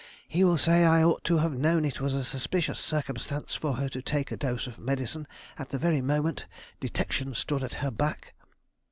He will say I ought to have known it was a suspicious circumstance for her to take a dose of medicine at the very moment detection stood at her back."